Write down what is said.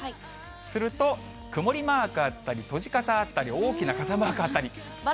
すると、曇りマークあったり、閉じ傘あったり、大きな傘マークあったり。